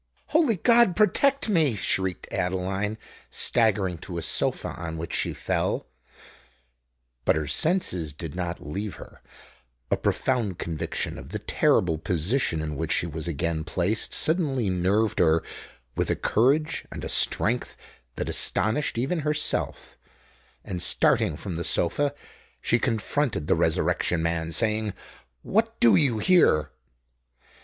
"Holy God protect me!" shrieked Adeline, staggering to a sofa, on which she fell. But her senses did not leave her: a profound conviction of the terrible position in which she was again placed, suddenly nerved her with a courage and a strength that astonished even herself; and, starting from the sofa, she confronted the Resurrection Man, saying, "What do you here?"